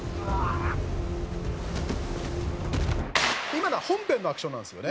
今のは本編のアクションなんですよね。